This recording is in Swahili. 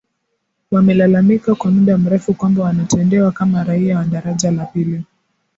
wamelalamika kwa muda mrefu kwamba wanatendewa kama raia wa daraja la pili